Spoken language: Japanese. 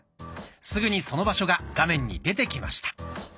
すぐにその場所が画面に出てきました。